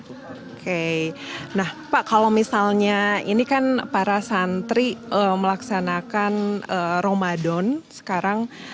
oke nah pak kalau misalnya ini kan para santri melaksanakan ramadan sekarang